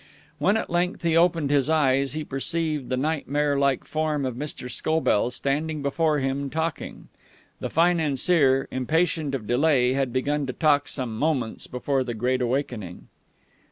When at length he opened his eyes, he perceived the nightmare like form of Mr. Scobell standing before him, talking. The financier, impatient of delay, had begun to talk some moments before the great awakening.